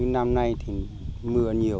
năm nay thì mưa nhiều